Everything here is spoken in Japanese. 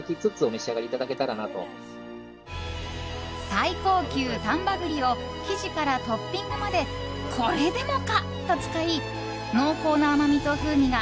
最高級、丹波栗を生地からトッピングまでこれでもかと使い濃厚な甘みと風味が